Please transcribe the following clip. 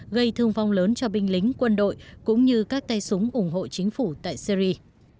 gây thương vong lớn cho binh lính quân đội cũng như các tay súng ủng hộ chính phủ tại syri